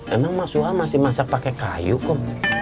emang mas suha masih masak pakai kayu kok